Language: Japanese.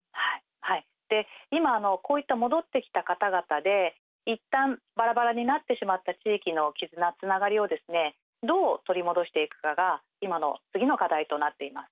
で今こういった戻ってきた方々でいったんバラバラになってしまった地域の絆つながりをですねどう取り戻していくかが今の次の課題となっています。